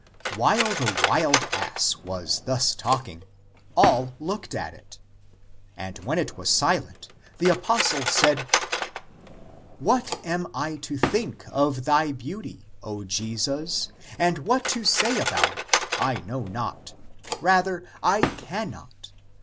While the wild ass was thus talking, all looked at It. And when it was silent, the apostle said, " What I am to think of thy beauty, O Jesus, and what to say about it, I know not ; rather I can not.